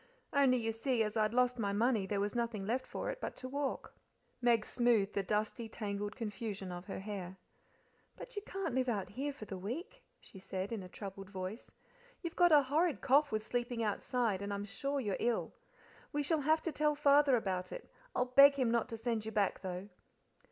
Only, you see, as I'd lost my money there was nothing left for it but to walk." Meg smoothed the dusty, tangled confusion of her hair. "But you can't live out here for the week," she said, in a troubled voice. "You've got a horrid cough with sleeping outside, and I'm sure you're ill. We shall have to tell Father about it. I'll beg him not to send you back, though."